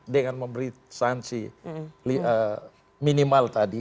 dengan memberi sanksi minimal tadi